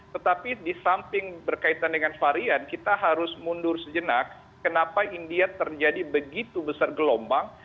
tetapi di samping berkaitan dengan varian kita harus mundur sejenak kenapa india terjadi begitu besar gelombang